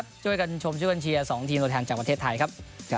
ด้วยกันเชียร์๒ทีมตัวแทนจากประเทศไทยครับ